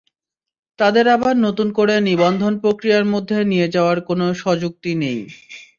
তাদের আবার নতুন করে নিবন্ধন-প্রক্রিয়ার মধ্যে নিয়ে যাওয়ার কোনো সুযুক্তি নেই।